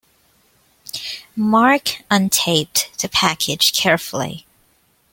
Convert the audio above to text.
Mark untaped the package carefully.